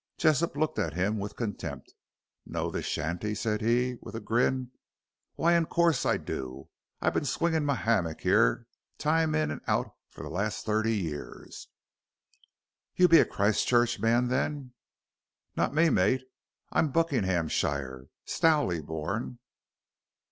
Jessop looked at him with contempt. "Know this shanty," said he, with a grin, "why, in coorse, I do. I've been swinging my hammock here time in and out for the last thirty year." "You'll be a Christchurch man, then?" "Not me, mate. I'm Buckinghamshire. Stowley born."